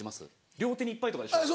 両手にいっぱいとかでしょ。